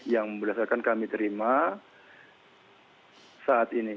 yang berdasarkan kami terima saat ini